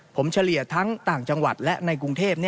ผมเฉลี่ยทั้งต่างจังหวัดและในกรุงเทพ